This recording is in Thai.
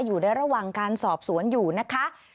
อยู่ในระหว่างการสอบสวนอยู่นะคะ